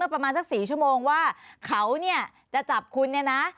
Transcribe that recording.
ประมาณสัก๔ชั่วโมงว่าเขาจะจับคุณ